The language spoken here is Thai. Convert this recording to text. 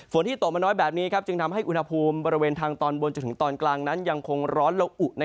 ที่ตกมาน้อยแบบนี้จึงทำให้อุณหภูมิบริเวณทางตอนบนจนถึงตอนกลางนั้นยังคงร้อนละอุ